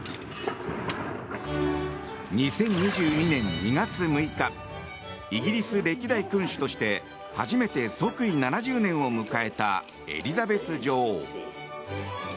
２０２２年２月６日イギリス歴代君主として初めて即位７０年を迎えたエリザベス女王。